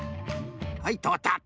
はいとおった。